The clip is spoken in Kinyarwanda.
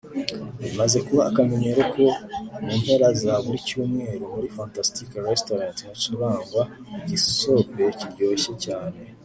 Bimaze kuba akamenyero ko mu mpera za buri cyumweru muri Fantastic Restaurant hacurangwa igisope kiryoshye cyane